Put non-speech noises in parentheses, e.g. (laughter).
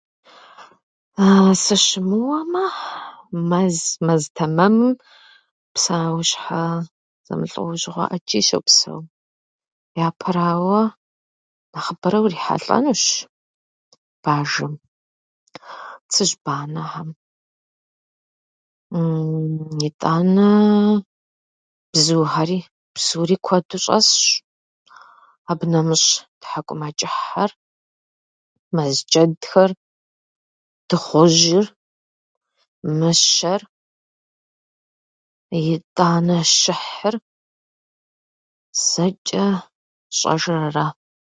(hesitation) Сыщымыуэмэ, мэз- мэз тэмэмым псэущхьэ зэмылӏэужьыгъуэ ӏэджи щопсэу. Япэрауэ нэхъыбэрэ урихьэлӏэнущ бажэм, цыжьбанэхьэм (hesitation) итӏанэ бзухьэри псори куэду щӏэсщ. Абы нэмыщӏ тхьэкӏумэчӏыхьхьэр, мэзджэдхэр, дыгъужьыр, мыщэр, итӏанэ щыхьыр. Зэчӏэ сщӏэжыр ара.